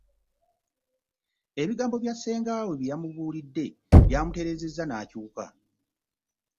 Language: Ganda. Ebigambo bya ssenga we byeyamubuliridde byamuterezeza nakyuka.